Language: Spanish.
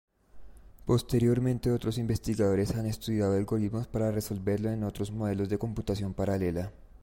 Posteriormente otros investigadores han estudiado algoritmos para resolverlo en otros modelos de computación paralela.